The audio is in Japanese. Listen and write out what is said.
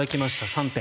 ３点。